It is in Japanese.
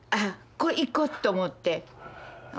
これ行こうと思って。